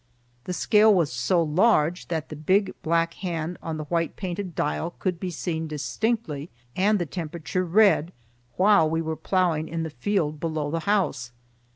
The scale was so large that the big black hand on the white painted dial could be seen distinctly and the temperature read while we were ploughing in the field below the house.